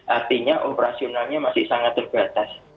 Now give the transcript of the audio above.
artinya operasionalnya masih sangat terbatas